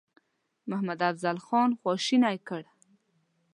محمدافضل خان خواشینی کړ.